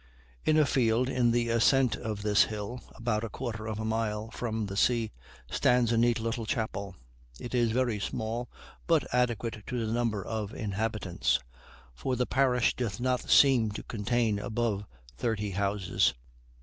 In a field in the ascent of this hill, about a quarter of a mile from the sea, stands a neat little chapel. It is very small, but adequate to the number of inhabitants; for the parish doth not seem to contain above thirty houses.